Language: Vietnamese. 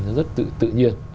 nó rất tự nhiên